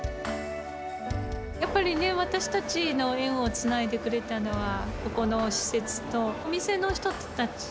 やっぱりね、私たちの縁をつないでくれたのは、ここの施設とお店の人たち。